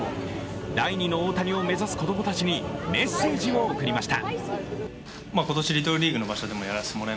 第２の大谷を目指す子供たちにメッセージを送りました。